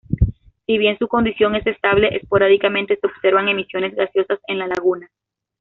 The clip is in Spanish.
Si bien su condición es estable, esporádicamente se observan emisiones gaseosas en la laguna.